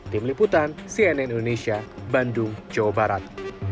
tim liputan cnn indonesia bandung jawa barat